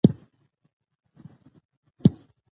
هر نظام بدلون ته اړتیا لري